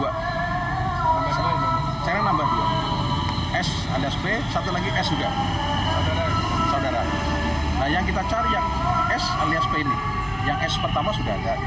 terus yang empat ini j alias c